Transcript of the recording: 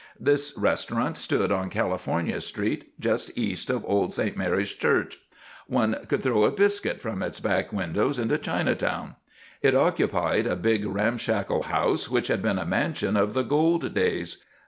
This restaurant stood on California street, just east of Old St. Mary's Church. One could throw a biscuit from its back windows into Chinatown. It occupied a big ramshackle house, which had been a mansion of the gold days.